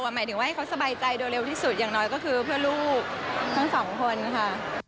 หมายถึงว่าให้เขาสบายใจโดยเร็วที่สุดอย่างน้อยก็คือเพื่อลูกทั้งสองคนค่ะ